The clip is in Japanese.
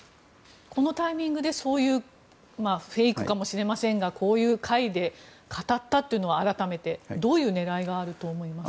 このタイミングでフェイクかもしれませんがこういう会で語ったというのは改めてどういう狙いがあると思いますか？